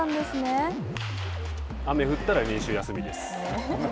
雨が降ったら、練習休みです。